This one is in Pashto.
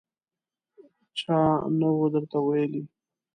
_چا نه و درته ويلي!